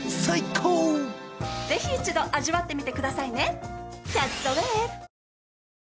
ぜひ一度味わってみてくださいね。